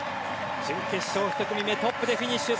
準決勝１組目トップでフィニッシュ。